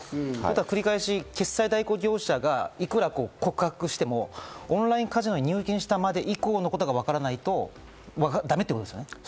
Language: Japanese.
繰り返し決済代行業者がいくら告発しても、オンラインカジノに入金したまで以降のことがわからないとだめってことですね。